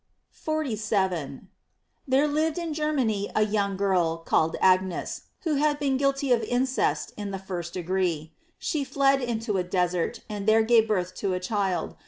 * 47. — There lived in Germany a young girl, call ed Agnes, who had been guilty of incest in the first degree. She fled into a desert, and there gave birth to a child.